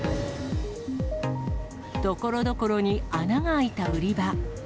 ところどころに穴が開いた売り場。